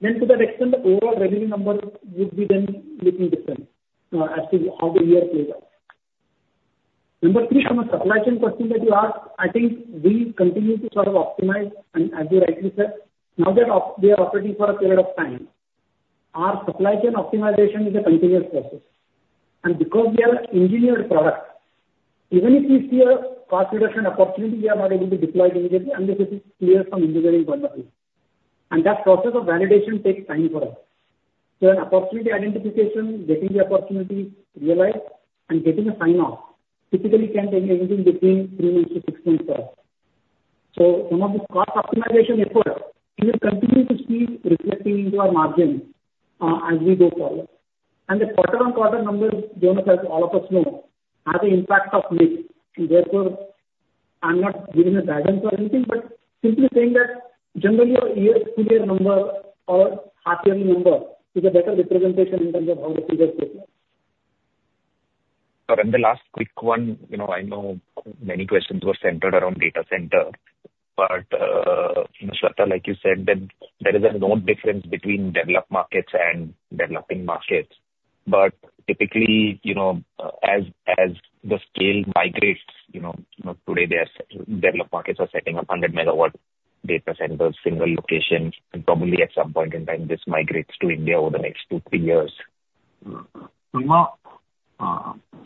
then to that extent, the overall revenue number would be then looking different, as to how the year plays out. Number three, from a supply chain perspective that you asked, I think we continue to sort of optimize, and as you rightly said, now that we are operating for a period of time, our supply chain optimization is a continuous process, and because we are an engineered product, even if we see a cost reduction opportunity, we are not able to deploy it immediately, unless it is clear from engineering point of view, and that process of validation takes time for us, so an opportunity identification, getting the opportunity realized, and getting a sign-off typically can take anything between three months to six months for us. So some of this cost optimization effort, we will continue to see reflecting into our margins, as we go forward. And the quarter-on-quarter numbers, Jonas, as all of us know, have an impact of mix. And therefore, I'm not giving a guidance or anything, but simply saying that generally a year-to-year number or half-yearly number is a better representation in terms of how the figures look like. Sorry, and the last quick one, you know, I know many questions were centered around data center, but, you know, Shveta, like you said, that there is a notable difference between developed markets and developing markets. But typically, you know, as the scale migrates, you know, you know, today the developed markets are setting up 100-megawatt data centers, single location, and probably at some point in time, this migrates to India over the next two, three years.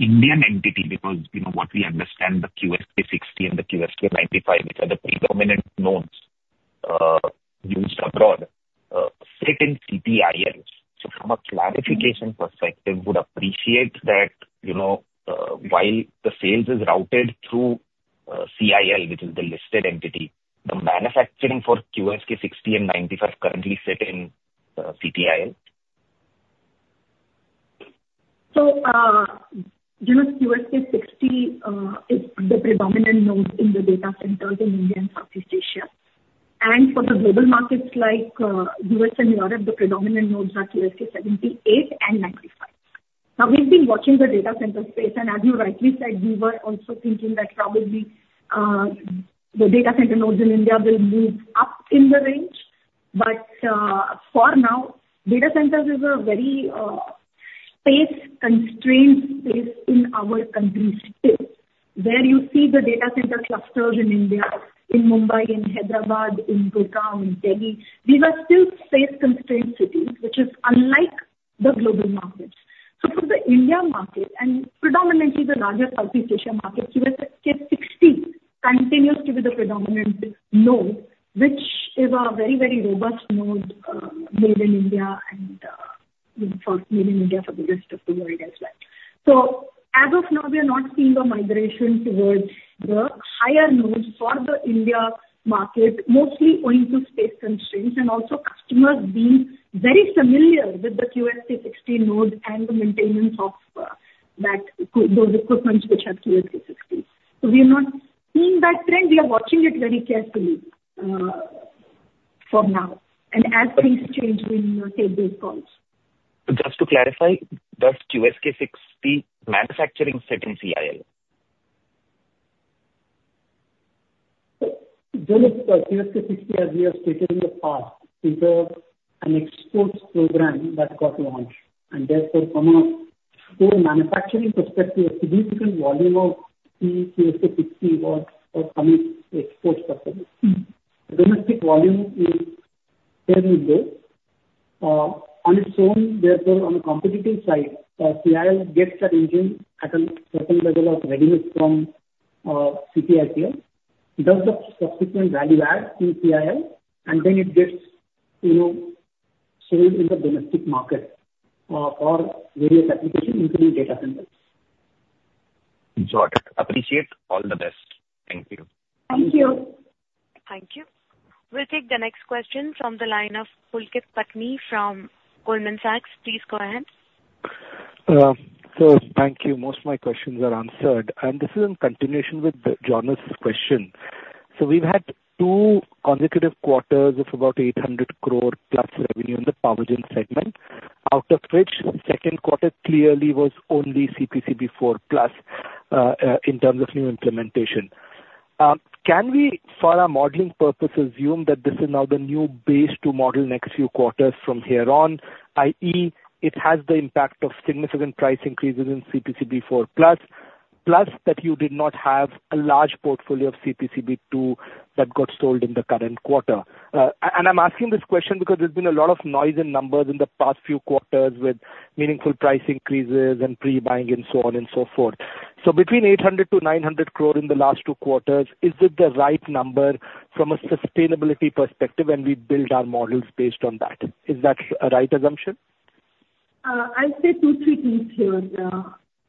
Indian entity because, you know, what we understand, the QSK60 and the QSK95, which are the predominant nodes, used abroad, sit in CPIL. So from a clarification perspective, would appreciate that, you know, while the sales is routed through, CIL, which is the listed entity, the manufacturing for QSK60 and 95 currently sit in, CTIL? So, you know, QSK60 is the predominant node in the data centers in India and Southeast Asia. And for the global markets like, U.S. and Europe, the predominant nodes are QSK 78 and 95. Now, we've been watching the data center space, and as you rightly said, we were also thinking that probably, the data center nodes in India will move up in the range. But, for now, data centers is a very space-constrained space in our country still, where you see the data center clusters in India, in Mumbai, in Hyderabad, in Gurugram, in Delhi. These are still space-constrained cities, which is unlike the global markets. So for the India market, and predominantly the larger Southeast Asia market, QSK60 continues to be the predominant node, which is a very, very robust node, made in India and, you know, for made in India for the rest of the world as well. So as of now, we are not seeing a migration towards the higher nodes for the India market, mostly owing to space constraints and also customers being very familiar with the QSK60 nodes and the maintenance of those equipment which have QSK60. So we are not seeing that trend. We are watching it very carefully, for now. And as things change, we will take those calls. Just to clarify, does QSK60 manufacturing sit in CIL? Jonas, QSK60, as we have stated in the past, is an export program that got launched. And therefore, from a pure manufacturing perspective, a significant volume of the QSK60 was for coming export purposes. Domestic volume is fairly low. On its own, therefore, on the competitive side, CIL gets that engine at a certain level of readiness from CPICL, does the subsequent value add in CIL, and then it gets, you know, sold in the domestic market, for various applications, including data centers. Jonas, appreciate all the best. Thank you. Thank you. Thank you. We'll take the next question from the line of Pulkit Patni from Goldman Sachs. Please go ahead. So thank you. Most of my questions are answered. And this is in continuation with Jonas's question. So we've had two consecutive quarters of about 800 crore plus revenue in the power gen segment, out of which second quarter clearly was only CPCB 4 Plus, in terms of new implementation. Can we, for our modeling purpose, assume that this is now the new base to model next few quarters from here on, i.e., it has the impact of significant price increases in CPCB 4 Plus, plus that you did not have a large portfolio of CPCB 2 that got sold in the current quarter? And I'm asking this question because there's been a lot of noise and numbers in the past few quarters with meaningful price increases and pre-buying and so on and so forth. So between 800 to 900 crore in the last two quarters, is it the right number from a sustainability perspective when we build our models based on that? Is that a right assumption? I'll say two, three things here.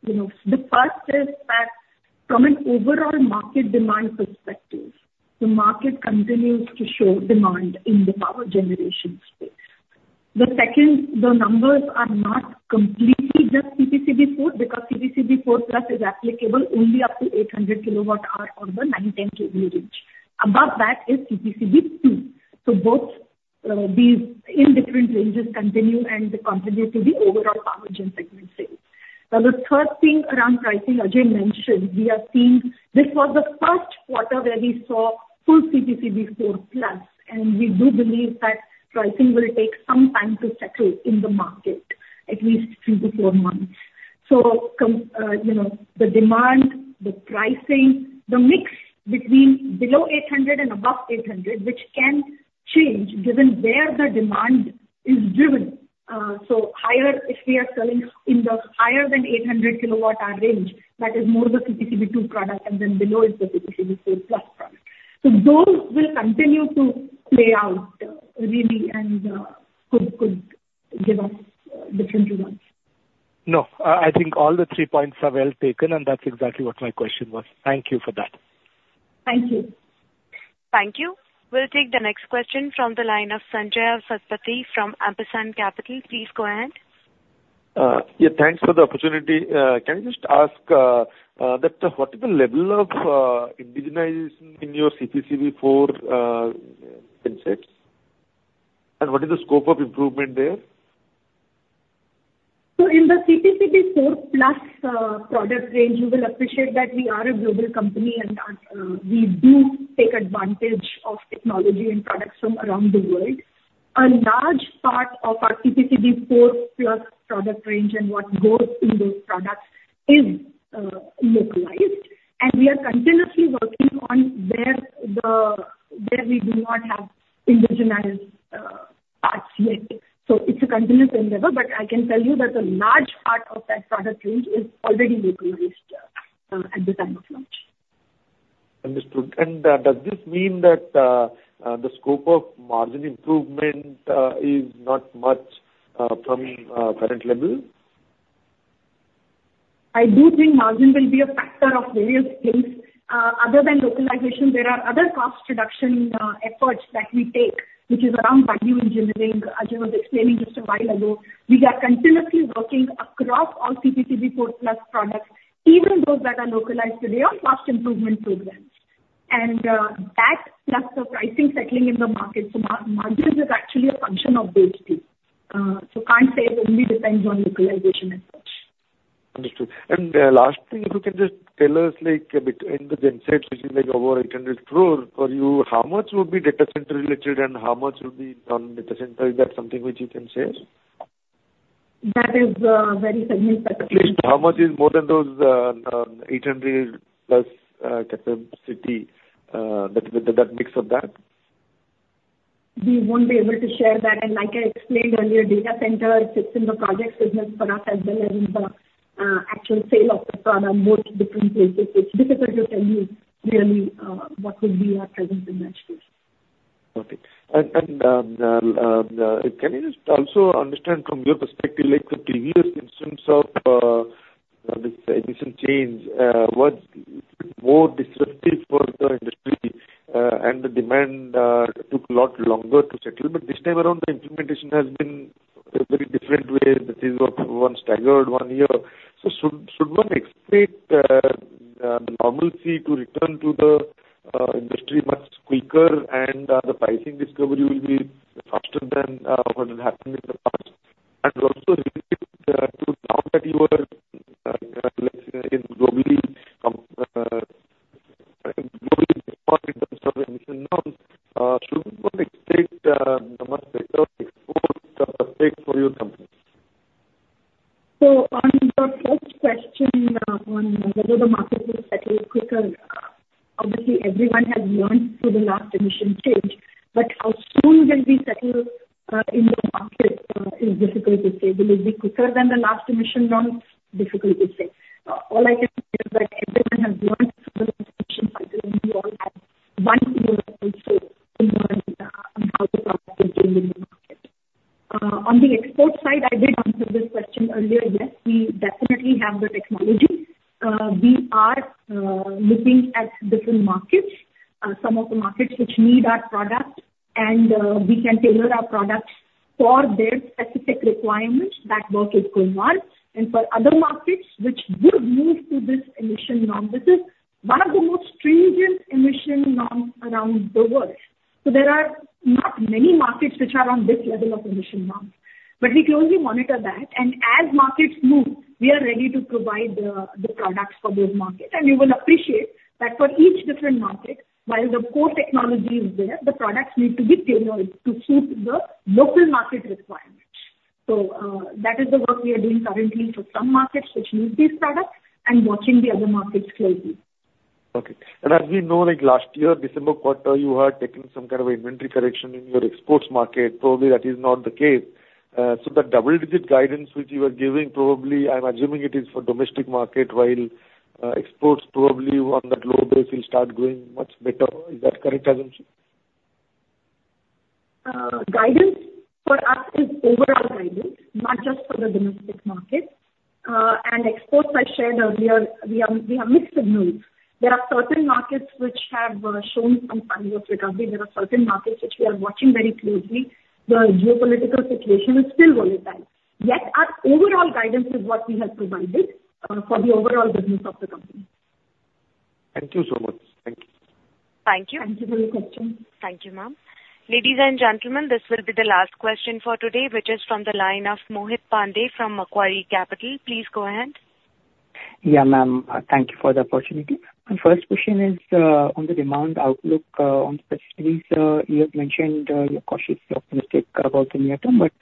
You know, the first is that from an overall market demand perspective, the market continues to show demand in the power generation space. The second, the numbers are not completely just CPCB 4 because CPCB 4 Plus is applicable only up to 800 kilowatts or the 910 kVA range. Above that is CPCB 2. So both, these different ranges continue and the continuity of the overall power gen segment sales. Now, the third thing around pricing, as you mentioned, we are seeing this was the first quarter where we saw full CPCB 4 Plus, and we do believe that pricing will take some time to settle in the market, at least three to four months. So, you know, the demand, the pricing, the mix between below 800 and above 800, which can change given where the demand is driven. Higher, if we are selling in the higher than 800 kilowatt range, that is more the CPCB 2 product, and then below is the CPCB 4 Plus product. Those will continue to play out, really, and could give us different results. No, I think all the three points are well taken, and that's exactly what my question was. Thank you for that. Thank you. Thank you. We'll take the next question from the line of Sanjay Satpathy from Ampersand Capital. Please go ahead. Yeah, thanks for the opportunity. Can I just ask what is the level of indigenization in your CPCB 4+ sets? And what is the scope of improvement there? So in the CPCB 4 Plus product range, you will appreciate that we are a global company and we do take advantage of technology and products from around the world. A large part of our CPCB 4 Plus product range and what goes in those products is localized. And we are continuously working on where we do not have indigenized parts yet. So it's a continuous endeavor, but I can tell you that a large part of that product range is already localized at the time of launch. Understood. And does this mean that the scope of margin improvement is not much from current level? I do think margin will be a factor of various things. Other than localization, there are other cost reduction efforts that we take, which is around value engineering, as I was explaining just a while ago. We are continuously working across all CPCB 4 Plus products, even those that are localized today on cost improvement programs, and that plus the pricing settling in the market, so margin is actually a function of those two, so can't say it only depends on localization and such. Understood. And the last thing, if you can just tell us, like, between the gensets, which is like over 800 crore, for you, how much would be data center related and how much would be non-data center? Is that something which you can share? That is, very segmental. At least how much is more than those 800-plus capacity, that mix of that? We won't be able to share that, and like I explained earlier, data center sits in the projects business for us as well as in the actual sale of the product in both different places, so it's difficult to tell you really what would be our penetration. Okay. And can you just also understand from your perspective, like, the previous instance of this emission change was more disruptive for the industry, and the demand took a lot longer to settle? But this time around, the implementation has been a very different way. The things were once staggered one year. So should one expect the normalcy to return to the industry much quicker, and the pricing discovery will be faster than what had happened in the past? And also, now that you are, let's say, globally compliant in global exports in terms of emission norms, should one expect much better export effect for your companies? So on the first question, on whether the market will settle quicker, obviously everyone has learned through the last emission change. But how soon will we settle, in the market, is difficult to say. Will it be quicker than the last emission norms? Difficult to say. All I can say is that everyone has learned through the last emission cycle, and we all have one year or so to learn, on how the product is doing in the market. On the export side, I did answer this question earlier. Yes, we definitely have the technology. We are looking at different markets, some of the markets which need our product, and we can tailor our products for their specific requirements, that work is going on. And for other markets which would move to this emission norm, this is one of the most stringent emission norms around the world. So there are not many markets which are on this level of emission norms. But we closely monitor that. And as markets move, we are ready to provide the, the products for those markets. And you will appreciate that for each different market, while the core technology is there, the products need to be tailored to suit the local market requirements. So, that is the work we are doing currently for some markets which need these products and watching the other markets closely. Okay. And as we know, like, last year, December quarter, you had taken some kind of inventory correction in your exports market. Probably that is not the case. So the double-digit guidance which you were giving, probably I'm assuming it is for domestic market, while, exports probably on that low base will start going much better. Is that correct assumption? Guidance for us is overall guidance, not just for the domestic market. Exports, I shared earlier, we are mixed signals. There are certain markets which have shown some signs of recovery. There are certain markets which we are watching very closely. The geopolitical situation is still volatile. Yet our overall guidance is what we have provided, for the overall business of the company. Thank you so much. Thank you. Thank you. Thank you for your question. Thank you, ma'am. Ladies and gentlemen, this will be the last question for today, which is from the line of Mohit Pandey from Macquarie Capital. Please go ahead. Yeah, ma'am. Thank you for the opportunity. My first question is on the demand outlook specifically. You have mentioned you're cautiously optimistic about the near term, but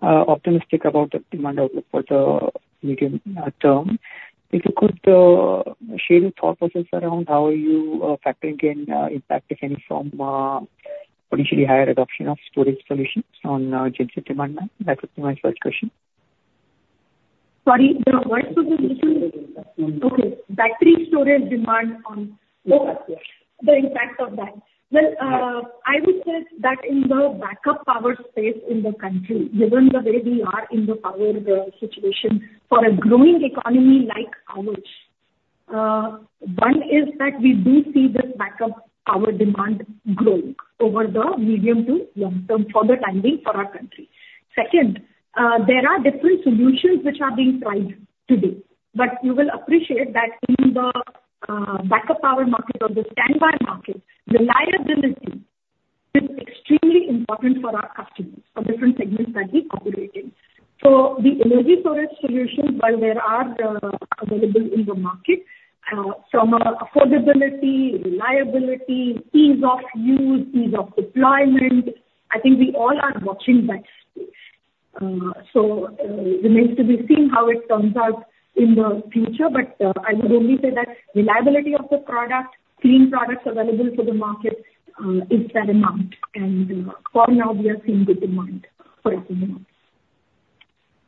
optimistic about the demand outlook for the medium term. If you could share your thought process around how you're factoring in the impact, if any, from potentially higher adoption of storage solutions on genset demand now. That would be my first question. Sorry, the word for the emission? Okay. Battery storage demand on the impact of that. Well, I would say that in the backup power space in the country, given the way we are in the power situation for a growing economy like ours, one is that we do see this backup power demand growing over the medium to long term for the timing for our country. Second, there are different solutions which are being tried today. But you will appreciate that in the backup power market or the standby market, reliability is extremely important for our customers for different segments that we operate in. So the energy storage solutions, while there are available in the market, from affordability, reliability, ease of use, ease of deployment, I think we all are watching that space. So, remains to be seen how it turns out in the future. But I would only say that reliability of the product, clean products available for the market, is paramount. And for now, we are seeing good demand for us in the market.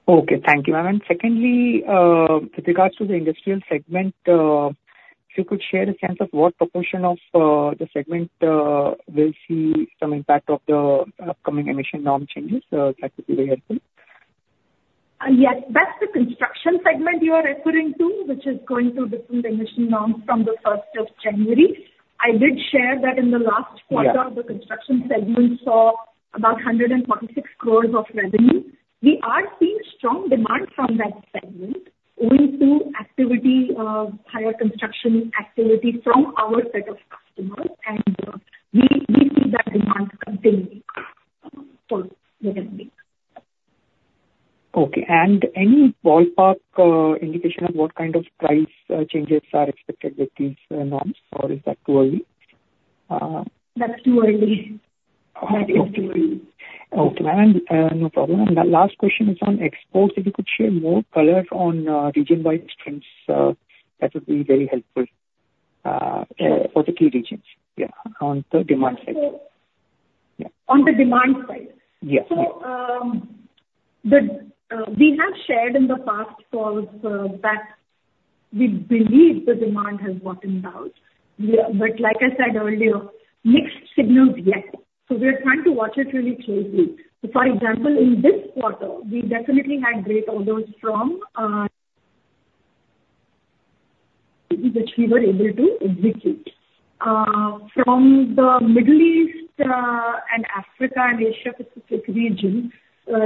Okay. Thank you, ma'am. And secondly, with regards to the industrial segment, if you could share a sense of what proportion of the segment will see some impact of the upcoming emission norm changes, that would be very helpful. Yes. That's the construction segment you are referring to, which is going through different emission norms from the 1st of January. I did share that in the last quarter, the construction segment saw about 146 crores of revenue. We are seeing strong demand from that segment owing to activity, higher construction activity from our set of customers, and we see that demand continuing for the coming. Okay, and any ballpark indication of what kind of price changes are expected with these norms? Or is that too early? That's too early. That is too early. Okay, ma'am. And no problem. And the last question is on exports. If you could share more color on region-wide trends, that would be very helpful for the key regions. Yeah, on the demand side. On the demand side. Yeah. We have shared in the past that we believe the demand has gotten down but like I said earlier, mixed signals yet. We are trying to watch it really closely. For example, in this quarter, we definitely had great orders from the Middle East, and Africa and Asia-Pacific region, which we were able to execute. From the Middle East, and Africa and Asia-Pacific region,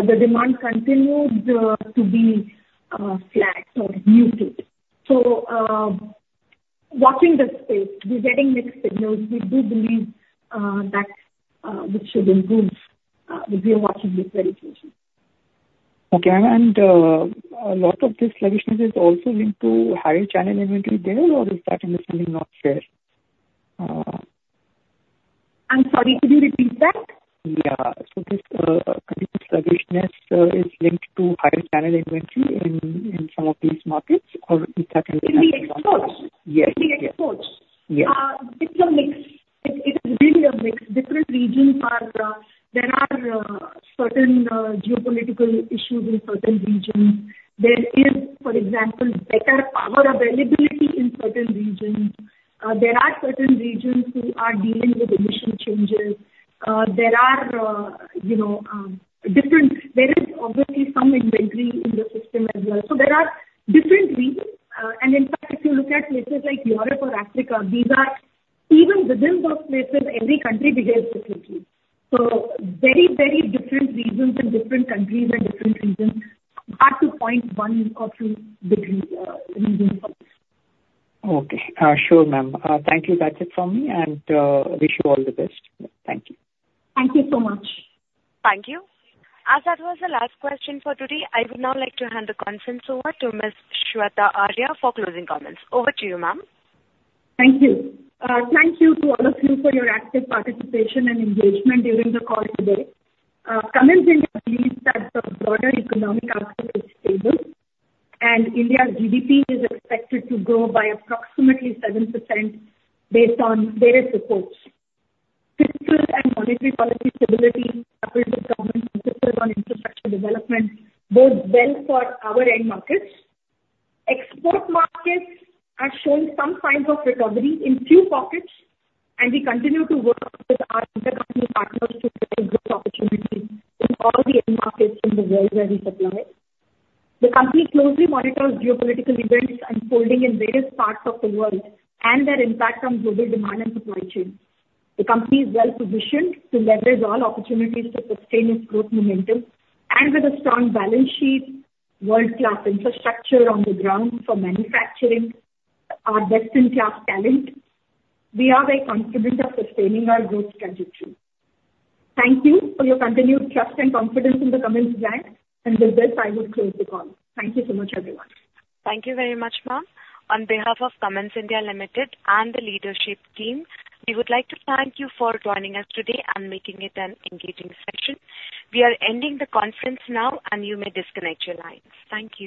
the demand continued to be flat or muted. Watching this space, we're getting mixed signals. We do believe that this should improve. We are watching this very closely. Okay, ma'am. And, a lot of this sluggishness is also linked to higher channel inventory there, or is that understanding not fair? I'm sorry, could you repeat that? Yeah. So this sluggishness is linked to higher channel inventory in some of these markets, or is that understanding not fair? In the exports. Yes. In the exports. Yeah. It's a mix. It, it is really a mix. Different regions, there are certain geopolitical issues in certain regions. There is, for example, better power availability in certain regions. There are certain regions who are dealing with emission changes. There are, you know, different. There is obviously some inventory in the system as well. So there are different reasons. And in fact, if you look at places like Europe or Africa, these are even within those places, every country behaves differently. So very, very different regions in different countries and different regions are to 0.1 or 2 degrees, in this sense. Okay. Sure, ma'am. Thank you. That's it from me. And wish you all the best. Thank you. Thank you so much. Thank you. As that was the last question for today, I would now like to hand the conference over to Ms. Shveta Arya for closing comments. Over to you, ma'am. Thank you. Thank you to all of you for your active participation and engagement during the call today. Comments indicate that the broader economic outlook is stable, and India's GDP is expected to grow by approximately 7% based on various reports. Fiscal and monetary policy stability, supported by government focus on infrastructure development, bodes well for our end markets. Export markets are showing some signs of recovery in a few pockets, and we continue to work with our inter-company partners to create growth opportunities in all the end markets in the world where we supply. The company closely monitors geopolitical events unfolding in various parts of the world and their impact on global demand and supply chain. The company is well-positioned to leverage all opportunities to sustain its growth momentum, and with a strong balance sheet, world-class infrastructure on the ground for manufacturing, our best-in-class talent, we are committed to sustaining our growth trajectory. Thank you for your continued trust and confidence in the Cummins brand. And with this, I would close the call. Thank you so much, everyone. Thank you very much, ma'am. On behalf of Cummins India Limited and the leadership team, we would like to thank you for joining us today and making it an engaging session. We are ending the conference now, and you may disconnect your lines. Thank you.